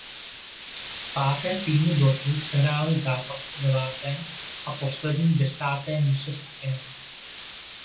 Páté týmy bloků sehrály zápas o deváté a poslední desáté místo skupiny.